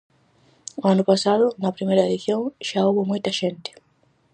O ano pasado, na primeira edición, xa houbo moita xente.